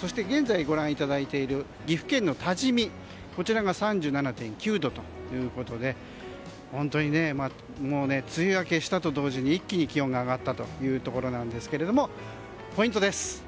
そして岐阜県多治見が３７．９度ということで本当に梅雨明けしたと同時に一気に気温が上がったということなんですがポイントです。